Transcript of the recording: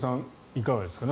いかがですか。